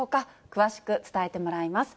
詳しく伝えてもらいます。